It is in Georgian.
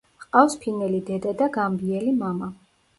ჰყავს ფინელი დედა და გამბიელი მამა.